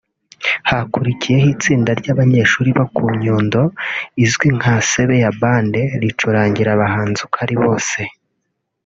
Hakurikiye ho itsinda ry’ abanyeshuri bo ku Nyundo izwi nka Sebeya Band ricurangira abahanzi uko ari bose